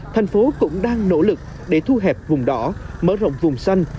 thành phố cũng đang nỗ lực để thu hẹp vùng đỏ mở rộng vùng xanh